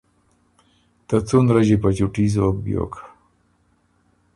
ته څُون رݫی په چُوټي زوک بیوک۔